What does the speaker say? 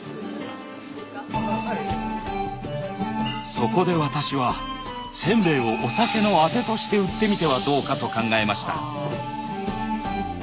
そこで私はせんべいをお酒のアテとして売ってみてはどうかと考えました。